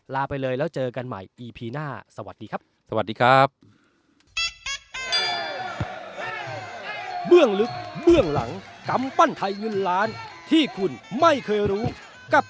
ลาไปเลยแล้วเจอกันใหม่อีพีหน้าสวัสดีครับ